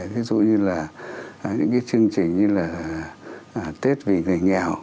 ví dụ như là những cái chương trình như là tết vì người nghèo